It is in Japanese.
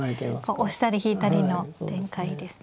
押したり引いたりの展開ですね。